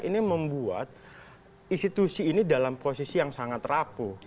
ini membuat institusi ini dalam posisi yang sangat rapuh